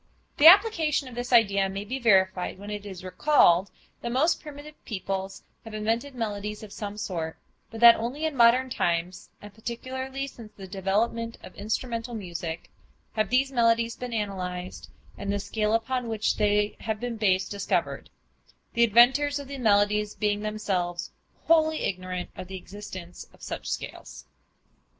The application of this idea may be verified when it is recalled that most primitive peoples have invented melodies of some sort, but that only in modern times, and particularly since the development of instrumental music, have these melodies been analyzed, and the scale upon which they have been based, discovered, the inventors of the melodies being themselves wholly ignorant of the existence of such scales.